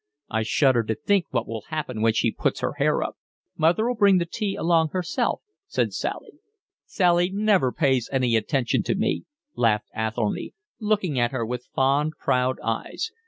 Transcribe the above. I shudder to think what will happen when she puts her hair up." "Mother'll bring the tea along herself," said Sally. "Sally never pays any attention to me," laughed Athelny, looking at her with fond, proud eyes.